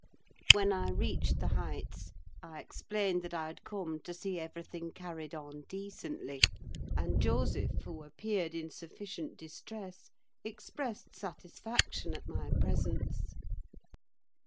When I reached the Heights, I explained that I had come to see everything carried on decently; and Joseph, who appeared in sufficient distress, expressed satisfaction at my presence.